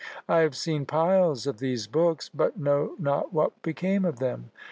I have seen piles of these books, but know not what became of them."